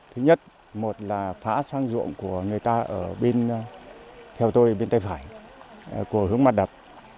thứ nhất một là phá sang ruộng của người ta ở bên theo tôi bên tay phải của hướng mặt đập